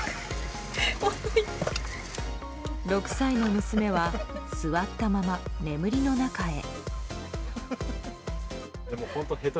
６歳の娘は座ったまま眠りの中へ。